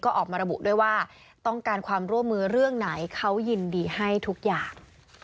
ก็ออกมาระบุด้วยว่าต้องการความร่วมมือเรื่องไหนเขายินดีให้ทุกอย่าง